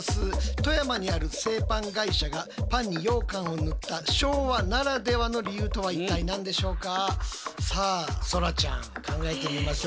富山にある製パン会社がパンにようかんを塗った昭和ならではの理由とは一体何でしょうか？